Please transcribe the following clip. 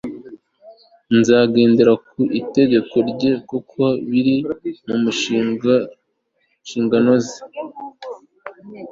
nzagendera ku itegeko rye kuko biri munshingano ze